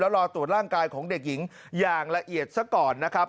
รอตรวจร่างกายของเด็กหญิงอย่างละเอียดซะก่อนนะครับ